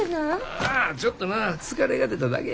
ああちょっとな疲れが出ただけや。